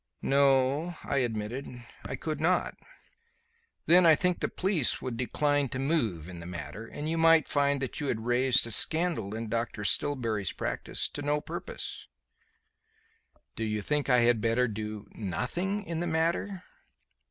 "No," I admitted, "I could not." "Then I think the police would decline to move in the matter, and you might find that you had raised a scandal in Dr. Stillbury's practice to no purpose." "So you think I had better do nothing in the matter?"